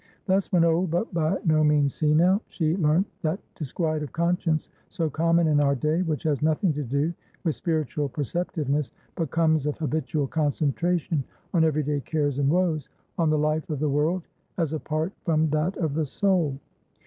Thus, when old but by no means senile, she learnt that disquiet of conscience, so common in our day, which has nothing to do with spiritual perceptiveness, but comes of habitual concentration on every day cares and woes, on the life of the world as apart from that of the soul.